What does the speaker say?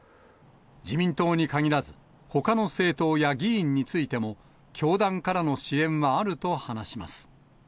自民党に限らず、ほかの政党や議員についても、教団からの支援はあると話します。